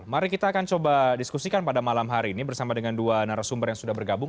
mari kita akan coba diskusikan pada malam hari ini bersama dengan dua narasumber yang sudah bergabung